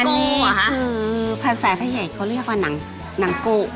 อันนี้คือภาษาไทยเขาเรียกว่านางโก้